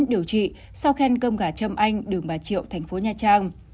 điều trị sau khen cơm gà châm anh đường bà triệu thành phố nha trang